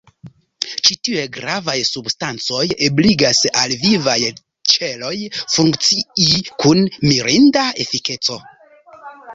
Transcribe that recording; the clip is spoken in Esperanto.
Ĉi tiuj gravaj substancoj ebligas al vivaj ĉeloj funkcii kun mirinda efikeco.